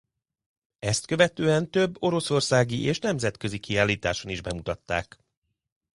Ezt követően több oroszországi és nemzetközi kiállításon is bemutatták.